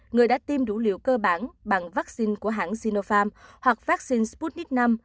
người đã tiêm đủ liều cơ bản bằng vắc xin của hãng sinopharm hoặc vắc xin sputnik v